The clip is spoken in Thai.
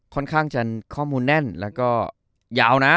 ค่อนข้างจะข้อมูลแน่นแล้วก็ยาวนะ